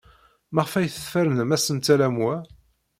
Maɣef ay tfernem asentel am wa?